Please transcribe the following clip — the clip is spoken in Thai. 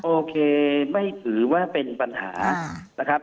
โอเคไม่ถือว่าเป็นปัญหานะครับ